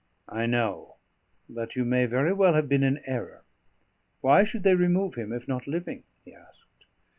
"I know; but you may very well have been in error. Why should they remove him if not living?" he asked.